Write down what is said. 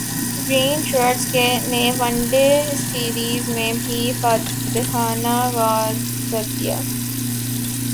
green Shirts نے one day series میں بھی فاتحانہ غاز کر دیا